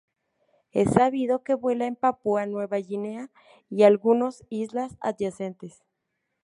Es sabido que vuela en Papúa Nueva Guinea y algunos islas adyacentes.